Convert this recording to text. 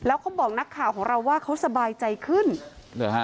แล้วเขาบอกนักข่าวของเราว่าเขาสบายใจขึ้นเหรอฮะ